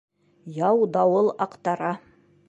Яу дауыл аҡтара